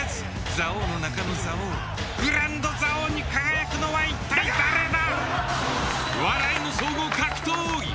座王の中の座王グランド座王に輝くのは一体誰だ。